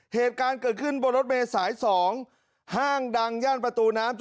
เหตุการณ์เกิดขึ้นบนรถเมย์สาย๒ห้างดังย่านประตูน้ำ๗